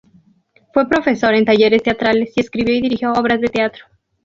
Fue profesor en talleres teatrales y escribió y dirigió obras de teatro.